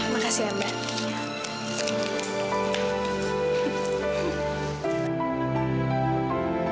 makasih ya mbak